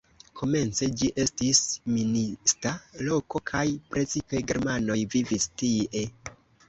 Komence ĝi estis minista loko kaj precipe germanoj vivis tie.